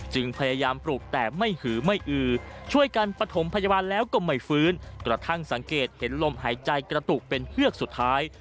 พยายามปลูกแต่ไม่หือไม่อือช่วยกันปฐมพยาบาลแล้วก็ไม่ฟื้นกระทั่งสังเกตเห็นลมหายใจกระตุกเป็นเฮือกสุดท้าย